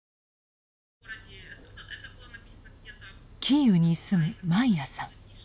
キーウに住むマイヤさん。